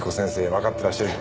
わかってらっしゃる。